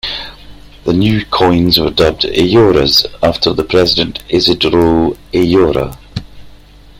The new coins were dubbed "Ayoras" after the president, Isidro Ayora.